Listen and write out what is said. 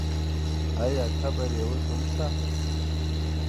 آیا قبر یې اوس هم شته؟